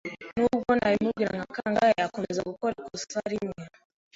Nubwo nabimubwira kangahe, akomeza gukora ikosa rimwe.